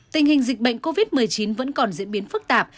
tình hình dịch bệnh covid một mươi chín vẫn còn diễn biến phức tạp